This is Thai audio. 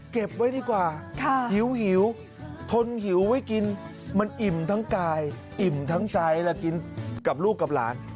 เก็บไว้ดีกว่าหิวทนหิวไว้กินมันอิ่มทั้งกายอิ่มทั้งใจและกินกับลูกกับหลาน